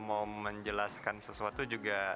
mau menjelaskan sesuatu juga